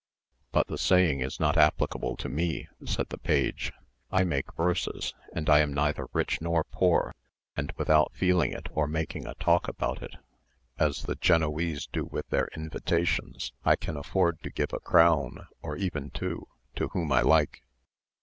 "But the saying is not applicable to me," said the page. "I make verses, and I am neither rich nor poor; and without feeling it or making a talk about it, as the Genoese do of their invitations, I can afford to give a crown, or even two, to whom I like.